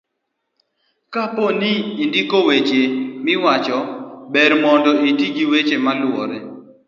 kapo ni indiko weche miwacho ber mondo iti gi weche maluwore